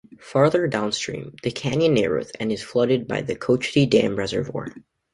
Farther downstream the canyon narrows and is flooded by the Cochiti Dam reservoir.